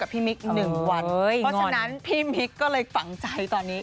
พี่มิ๊ก๑วันเพราะฉะนั้นพี่มิ๊กก็เลยฝังใจตอนนี้